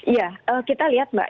ya kita lihat mbak